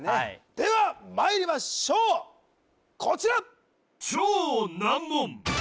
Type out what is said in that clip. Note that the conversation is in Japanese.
ではまいりましょうこちら